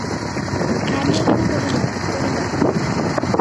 হেমনলিনী কহিল, কলিকাতায়।